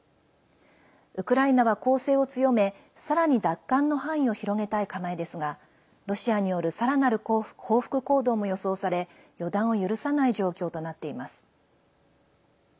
ウクライナは攻勢を強め、さらに奪還の範囲を広げたい構えですがロシアによるさらなる報復行動も予想され予断を許さない状況となっています。